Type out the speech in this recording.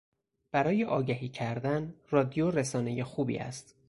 برای آگهی کردن رادیو رسانهی خوبی است.